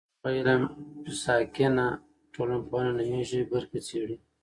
هغه علم چې ساکنه ټولنپوهنه نومیږي برخې څېړي.